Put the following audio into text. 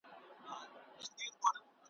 ملنګه ! دا سپوږمۍ هم د چا ياد کښې ده ستومانه `